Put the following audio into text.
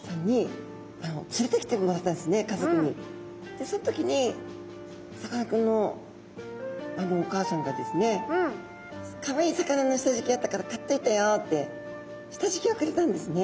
でそん時にさかなクンのお母さんがですねかわいい魚のしたじきがあったから買っといたよってしたじきをくれたんですね。